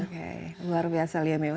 oke luar biasa leo